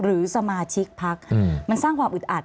หรือสมาชิกพักมันสร้างความอึดอัด